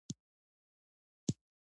سلیمان غر د هېواد د صادراتو برخه ده.